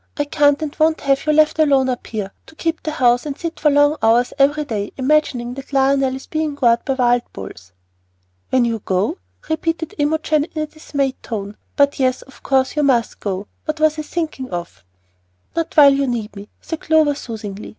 I can't and won't have you left alone up here, to keep the house and sit for hours every day imagining that Lionel is being gored by wild bulls." "When you go?" repeated Imogen, in a dismayed tone; "but yes, of course you must go what was I thinking of?" "Not while you need me," said Clover, soothingly.